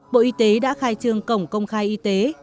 bộ y tế đã khai trương cổng công khai y tế